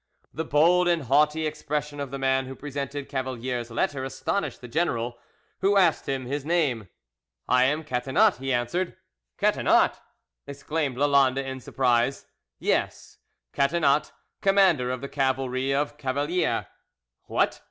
The bold and haughty expression of the man who presented Cavalier's letter astonished the general, who asked him his name. "I am Catinat," he answered. "Catinat!" exclaimed Lalande in surprise. "Yes, Catinat, commander of the cavalry of Cavalier." "What!"